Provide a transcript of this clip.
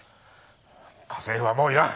家政婦はもういらん。